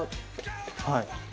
はい。